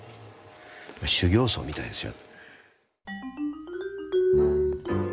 修行僧みたいですよ。